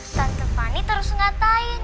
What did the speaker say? tante fani terus ngatain